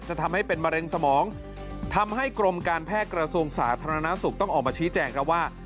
ทำให้เป็นมะเร็งสมองทำให้กรมการแพทย์กระทรวงสาธารณสุขต้องออกมาชี้แจงครับว่า